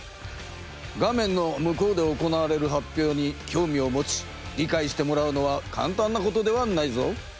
画面の向こうで行われる発表にきょうみを持ちりかいしてもらうのはかんたんなことではないぞ。